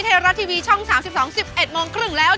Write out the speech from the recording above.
ไทยรัฐทีวีช่อง๓๒๑๑โมงครึ่งแล้ว